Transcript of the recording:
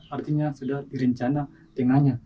artinya sudah direncana tingahnya